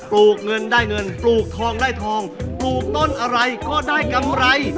ลูกเงินได้เงินปลูกทองได้ทองปลูกต้นอะไรก็ได้กำไร